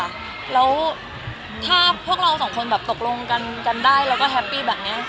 แล้วถ้าพวกเราสองคนแบบตกลงกันได้แล้วก็แฮปปี้แบบนี้